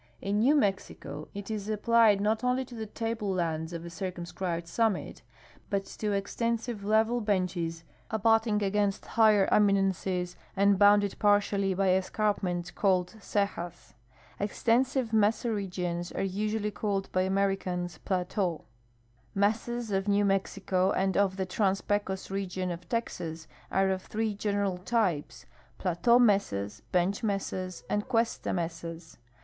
In New Mexico it is applied not only to the table lands of a circumscribed summit, but to ex tensive level benches abutting against higher eminences and bounded partially by escarpments called cejas. Extensive mesa regions are usually called by Americans jilateaux. Mesas of New Mexico and of the Trans Pecos region of Texas are of three general t3'pes : plateau mesas, bench mesas, and cuesta mesas.